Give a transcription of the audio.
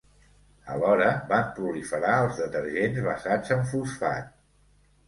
Alhora, van proliferar els detergents basats en fosfat.